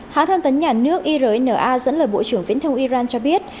hã thân tấn nhà nước irna dẫn lời bộ trưởng viễn thông iran cho biết